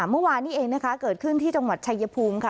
เมื่อวานนี้เองนะคะเกิดขึ้นที่จังหวัดชายภูมิค่ะ